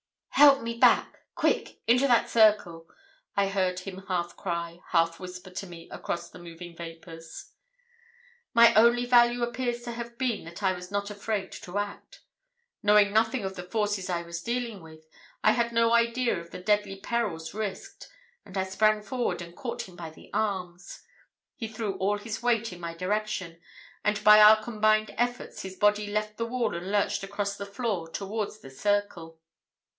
"'Help me back—quick—into that circle,' I heard him half cry, half whisper to me across the moving vapours. "My only value appears to have been that I was not afraid to act. Knowing nothing of the forces I was dealing with I had no idea of the deadly perils risked, and I sprang forward and caught him by the arms. He threw all his weight in my direction, and by our combined efforts his body left the wall and lurched across the floor towards the circle.